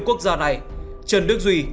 quốc gia này trần đức duy